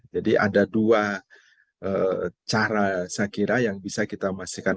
jadi ada dua cara saya kira yang bisa kita pastikan